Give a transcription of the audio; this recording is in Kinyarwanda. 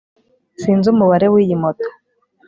sinzi umubare w'iyi moto